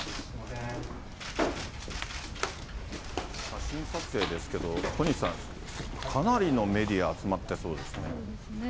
写真撮影ですけど、小西さん、かなりのメディア、そうですね。